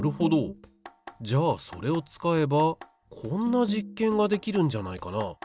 じゃあそれを使えばこんな実験ができるんじゃないかな。